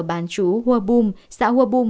bán chú hua bum xã hua bum